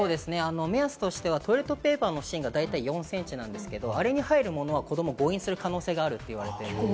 目安としてはトイレットペーパーの芯が大体４センチ、あれに入るものは子どもが誤飲する可能性があると言われています。